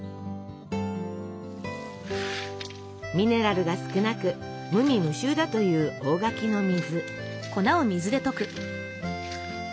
ミネラルが少なく無味無臭だという大垣の水。